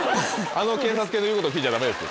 あの警察犬の言うことを聞いちゃダメです。